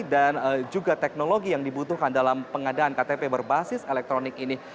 dan juga teknologi yang dibutuhkan dalam pengadaan ktp berbasis elektronik ini